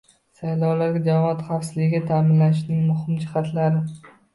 Saylovlarda jamoat xavfsizligini ta’minlashning muhim jihatlari